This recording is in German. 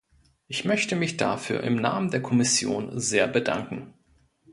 Ich möchte mich dafür im Namen der Kommission sehr bedanken.